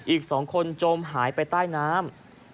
อีก๒คนจมหายไปใต้น้ำ